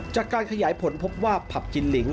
จากการขยายผลพบว่าผับจินลิง